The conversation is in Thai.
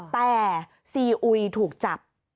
แต่ซีอุยถูกจับ